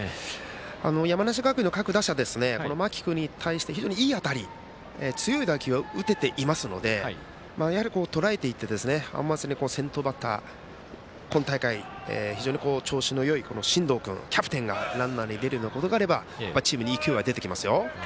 山梨学院の各打者間木君に対して、いい当たり強い打球は打てていますのでとらえていって先頭バッター、今大会非常に調子のいい進藤君、キャプテンがランナーに出るようなことがあればチームに勢いは出てきますよ。